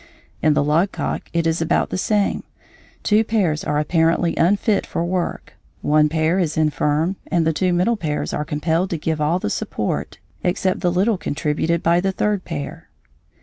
In the logcock it is about the same, two pairs are apparently unfit for work, one pair is infirm, and the two middle pairs are compelled to give all the support, except the little contributed by the third pair.